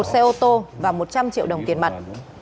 một xe ô tô và một trăm linh triệu đồng tiền mặt